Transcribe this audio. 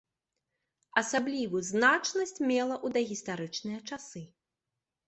Асаблівую значнасць мела ў дагістарычныя часы.